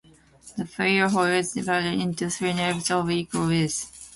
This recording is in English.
The prayer hall is divided into three naves of equal width.